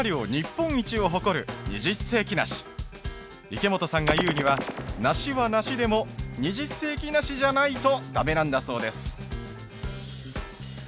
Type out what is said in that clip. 池本さんが言うには梨は梨でも二十世紀梨じゃないと駄目なんだそうです。